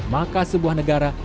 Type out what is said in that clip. maka sebuah negara